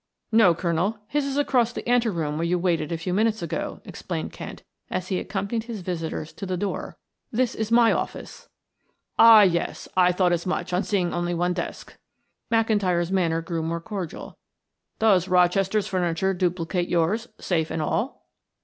"No, Colonel, his is across the ante room where you waited a few minutes ago," explained Kent as he accompanied his visitors to the door. "This is my office." "Ah, yes, I thought as much on seeing only one desk," McIntyre's manner grew more cordial. "Does Rochester's furniture duplicate yours, safe and all?"